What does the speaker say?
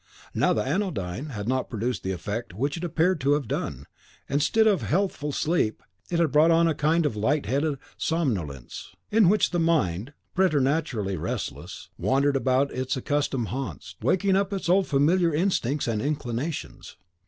Now the anodyne had not produced the effect which it appeared to have done; instead of healthful sleep, it had brought on a kind of light headed somnolence, in which the mind, preternaturally restless, wandered about its accustomed haunts, waking up its old familiar instincts and inclinations.